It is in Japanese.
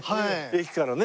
駅からね